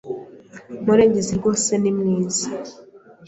Murengezi rwose ni mwiza.